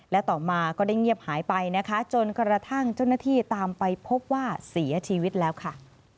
และต่อมาก็ได้เงียบหายไปนะคะจนกระทั่งเจ้าหน้าที่ตามไปพบว่าเสียชีวิตแล้วค่ะ